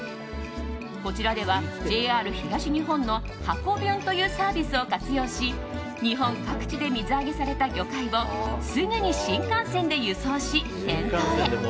こちらではＪＲ東日本のはこビュンというサービスを活用し日本各地で水揚げされた魚介をすぐに新幹線で輸送し、店頭へ。